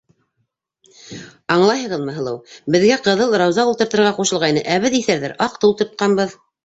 — Аңлайһығыҙмы, һылыу, беҙгә ҡыҙыл рауза ултыртырға ҡушылғайны, ә беҙ, иҫәрҙәр, аҡты ултыртҡанбыҙ.